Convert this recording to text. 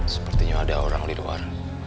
sepertinya ada orang di luar